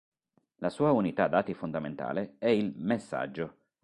La sua unità dati fondamentale è il "messaggio".